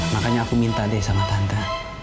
makanya aku minta deh sama tante